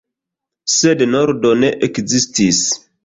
Sed nordo ne ekzistis.